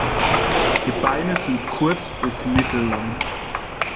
Die Beine sind kurz bis mittellang.